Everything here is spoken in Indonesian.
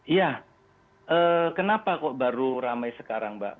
iya kenapa kok baru ramai sekarang mbak